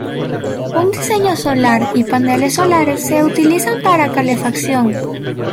Un diseño solar y paneles solares se utilizan para calefacción.